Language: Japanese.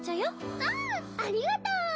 わぁありがとう！